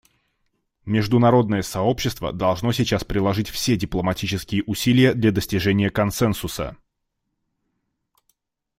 Международное сообщество должно сейчас приложить все дипломатические усилия для достижения консенсуса.